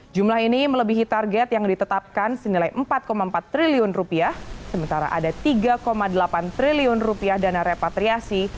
jumlah ini melebihi target yang ditetapkan senilai rp empat empat triliun sementara ada tiga delapan triliun dana repatriasi